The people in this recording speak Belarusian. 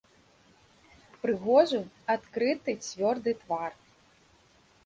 Прыгожы, адкрыты, цвёрды твар.